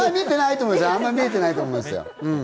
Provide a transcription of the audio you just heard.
あんまり見えてないと思いますよ。